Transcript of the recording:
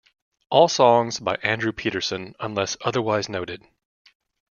All songs by Andrew Peterson unless otherwise noted.